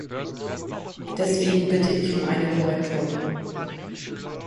Deswegen bitte ich um eine Korrektur.